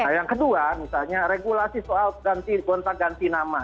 yang kedua misalnya regulasi soal ganti bontak ganti nama